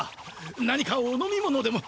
何かお飲み物でも。